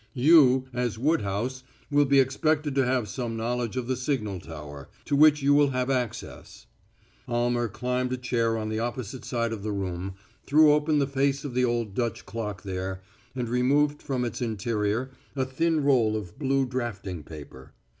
"You, as Woodhouse, will be expected to have some knowledge of the signal tower, to which you will have access." Almer climbed a chair on the opposite side of the room, threw open the face of the old Dutch clock there, and removed from its interior a thin roll of blue drafting paper.